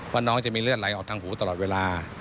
ว่าน้องจะมีเลือดไหลออกทางหูตลอดเวลา